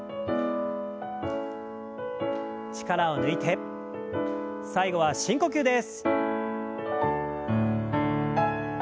力を抜いて最後は深呼吸です。